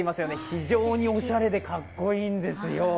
非常におしゃれでかっこいいんですよ。